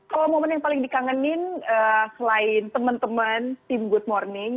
kalau momen yang paling dikangenin selain teman teman tim good morning